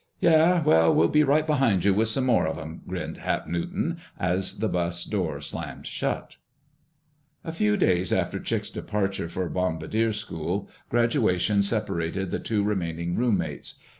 "Yeh, we'll be right behind you with some more of 'em!" grinned Hap Newton, as the bus door slammed shut. A few days after Chick's departure for bombardier school, graduation separated the two remaining roommates.